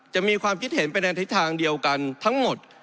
จะมีความคิดเห็นไปในทิศทางเดียวกันทั้งหมด